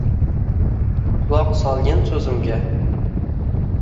«Quloq solgin so’zimga.